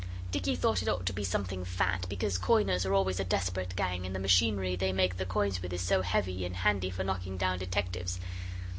Dicky thought it ought to be something fat, because coiners are always a desperate gang; and the machinery they make the coins with is so heavy and handy for knocking down detectives.